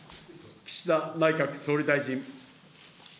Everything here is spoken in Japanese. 岸田内閣総理大臣。